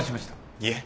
いえ。